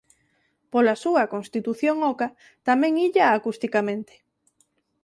Pola súa constitución oca tamén illa acusticamente.